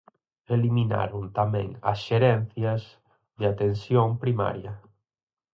Eliminaron tamén as xerencias de atención primaria.